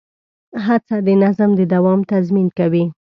هڅه د نظم د دوام تضمین کوي.